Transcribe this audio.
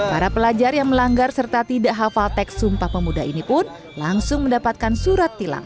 para pelajar yang melanggar serta tidak hafal teks sumpah pemuda ini pun langsung mendapatkan surat tilang